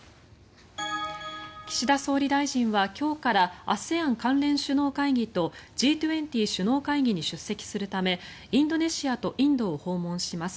岸田総理大臣は、今日からＡＳＥＡＮ関連首脳会議とＧ２０首脳会議に出席するためインドネシアとインドを訪問します。